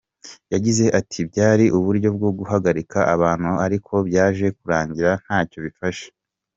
Yagize ati “Byari uburyo bwo guharabika abantu ariko byaje kurangira ntacyo bifashe.